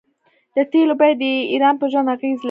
د تیلو بیه د ایران په ژوند اغیز لري.